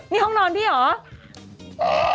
นี่ห้องนอนพี่เหรอ